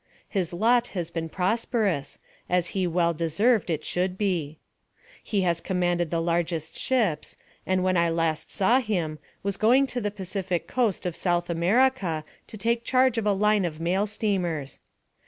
His lot has been prosperous, as he well deserved it should be. He has commanded the largest ships, and when I last saw him, was going to the Pacific coast of South America, to take charge of a line of mail steamers.